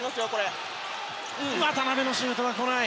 渡邊のシュートはこない。